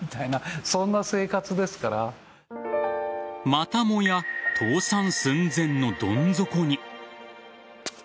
またもや、倒産寸前のどん底に。